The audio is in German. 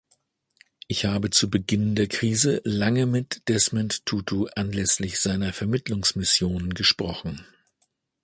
Ich habe zu Beginn der Krise lange mit Desmond Tutu anlässlich seiner Vermittlungsmission gesprochen.